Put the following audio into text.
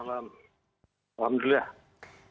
selamat malam alhamdulillah